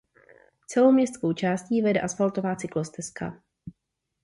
Celou městskou částí vede asfaltová cyklostezka.